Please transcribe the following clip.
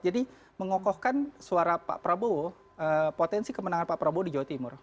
jadi mengokohkan suara pak prabowo potensi kemenangan pak prabowo di jawa timur